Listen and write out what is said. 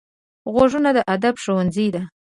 غوږونه د ادب ښوونځی دي